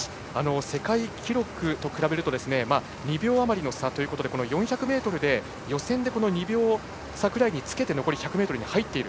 世界記録と比べると２秒あまりの差ということで４００ｍ予選で２秒差ぐらいにつけて残り１００ｍに入っている。